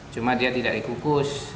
cuma dia tidak dikukus